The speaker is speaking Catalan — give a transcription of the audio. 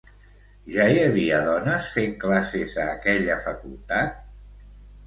Ja hi havia dones fent classes a aquella facultat?